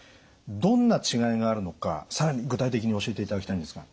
どんな違いがあるのか更に具体的に教えていただきたいんですが。